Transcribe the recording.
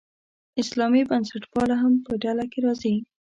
اسلامي بنسټپالنه هم په ډله کې راځي.